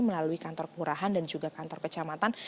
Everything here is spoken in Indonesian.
melalui kantor kelurahan dan juga kantor kecamatan